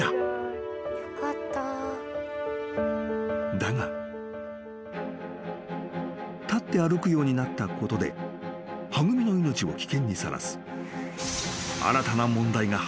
［だが立って歩くようになったことではぐみの命を危険にさらす］